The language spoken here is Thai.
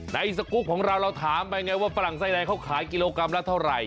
สกุปของเราเราถามไปไงว่าฝรั่งไส้แดงเขาขายกิโลกรัมละเท่าไหร